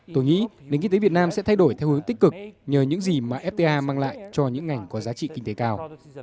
tôi nghĩ nền kinh tế việt nam sẽ thay đổi theo hướng tích cực nhờ những gì mà fta mang lại cho những ngành có giá trị kinh tế cao